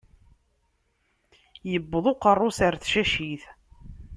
Iwweḍ uqeṛṛu-s ar tcacit.